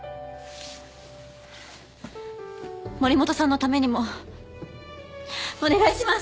森本さんのためにもお願いします！